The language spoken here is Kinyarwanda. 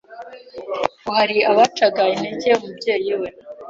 Ngo hari abacaga intege umubyeyi we